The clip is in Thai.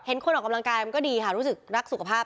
คนออกกำลังกายมันก็ดีค่ะรู้สึกรักสุขภาพ